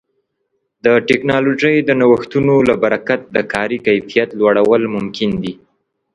د ټکنالوژۍ د نوښتونو له برکت د کاري کیفیت لوړول ممکن دي.